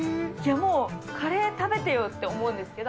もうカレー食べてよって思うんですけど。